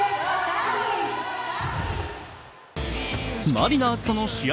マリナーズとの試合